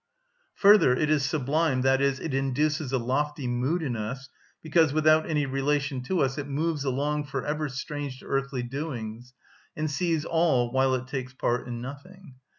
Further, it is sublime, i.e., it induces a lofty mood in us, because, without any relation to us, it moves along for ever strange to earthly doings, and sees all while it takes part in nothing.